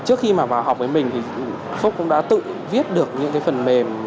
trước khi mà vào học với mình thì phúc cũng đã tự viết được những cái phần mềm